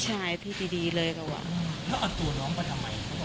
ใช่พี่ดีเลยก็ว่า